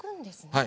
はい。